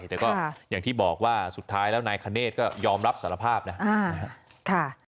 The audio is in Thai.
แต่ก็อย่างที่บอกว่าสุดท้ายแล้วนายคเนธก็ยอมรับสารภาพนะครับ